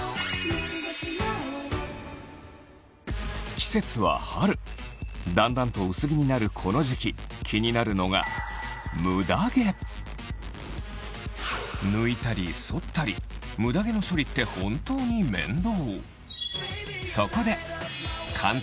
季節は春だんだんと薄着になるこの時期気になるのがムダ毛の処理って本当に面倒